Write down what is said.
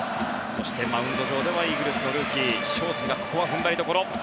そしてマウンド上ではイーグルスのルーキー、荘司がここは踏ん張りどころ。